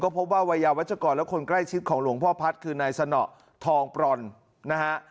พบว่าวัยยาวัชกรและคนใกล้ชิดของหลวงพ่อพัฒน์คือนายสนทองปรอนนะฮะ